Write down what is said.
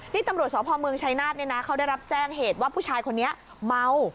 นี่ตำรวจสพเมืองชายนาฏเนี่ยนะเขาได้รับแจ้งเหตุว่าผู้ชายคนนี้เมา